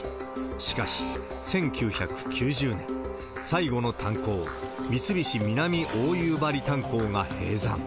しかし１９９０年、最後の炭鉱、三菱南大夕張炭鉱が閉山。